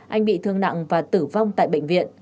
anh bị thương nặng và tử vong tại bệnh viện